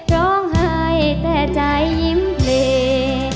ร้องไห้แต่ใจยิ้มเพลง